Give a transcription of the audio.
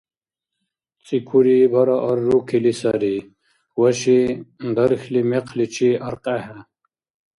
ЦӀикури бара аррукили сари, ваши дархьли мекъличи аркьехӀе.